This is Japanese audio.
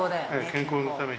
健康のために。